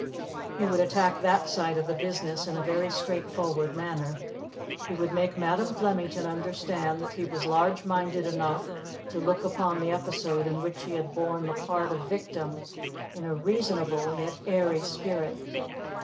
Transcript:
He would attack that side of the business in a very straightforward manner. He would make Madam Flemington understand that he was large minded enough to look upon the episode in which he had borne the part of victim in a reasonable yet airy spirit.